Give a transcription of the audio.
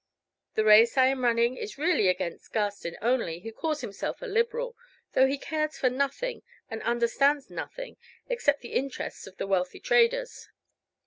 The race I am running is really against Garstin only, who calls himself a Liberal, though he cares for nothing, and understands nothing, except the interests of the wealthy traders.